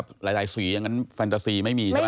หลายสีอย่างนั้นแฟนตาซีไม่มีใช่ไหม